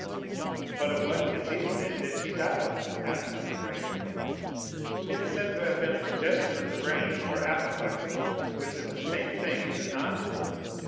"But of what disease, then, did she die?" asked Debray. "It is said to have been a congestion of the brain, or apoplexy, which is the same thing, is it not?"